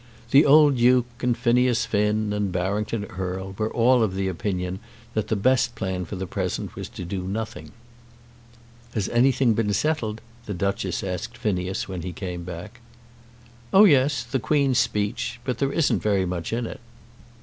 The old Duke and Phineas Finn and Barrington Erle were all of opinion that the best plan for the present was to do nothing. "Has anything been settled?" the Duchess asked Phineas when he came back. "Oh yes; the Queen's Speech. But there isn't very much in it."